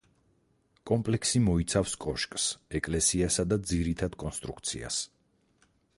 კომპლექსი მოიცავს კოშკს, ეკლესიასა და ძირითად კონსტრუქციას.